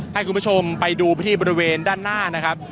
ให้คุณผู้ชมไปดูที่บริเวณด้านหน้านะครับ